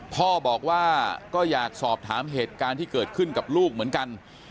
พ่อบอกว่าก็อยากสอบถามเหตุการณ์ที่เกิดขึ้นกับลูกเหมือนกัน